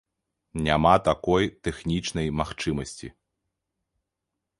Няма такой тэхнічнай магчымасці.